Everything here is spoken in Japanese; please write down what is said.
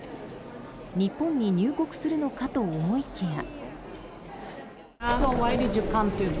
日本に入国するのかと思いきや。